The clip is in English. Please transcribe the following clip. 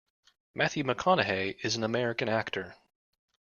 Matthew McConaughey is an American actor.